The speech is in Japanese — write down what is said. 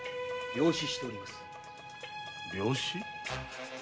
病死？